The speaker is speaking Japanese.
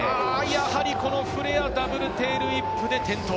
やはりこのフレアダブルテールウィップで転倒。